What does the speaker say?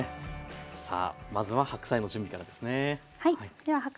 さあまずは白菜の準備からですね。